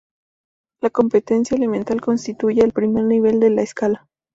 La competencia elemental constituye el primer nivel de la escala.